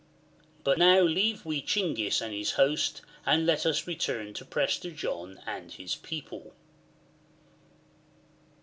But now leave we Chinghis and his host, and let us return to Prester John and his people.